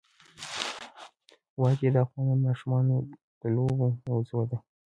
وادي د افغان ماشومانو د لوبو موضوع ده.